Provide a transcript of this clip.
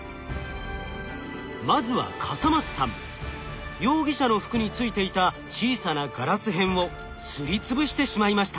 まずは笠松さん容疑者の服に付いていた小さなガラス片をすり潰してしまいました。